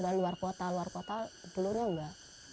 dari luar kota luar kota telurnya enggak